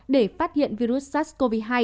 để phát hiện virus sars cov hai